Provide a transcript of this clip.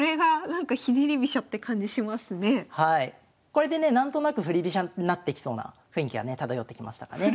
これでね何となく振り飛車になってきそうな雰囲気がね漂ってきましたかね。